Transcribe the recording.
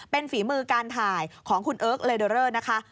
เป็นฝีมือการถ่ายของคุณเอิร์กเลเดอเรอร์นะคะ